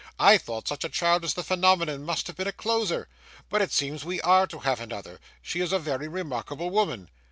'I thought such a child as the Phenomenon must have been a closer; but it seems we are to have another. She is a very remarkable woman.